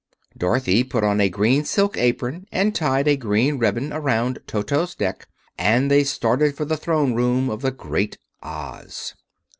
Dorothy put on a green silk apron and tied a green ribbon around Toto's neck, and they started for the Throne Room of the Great Oz.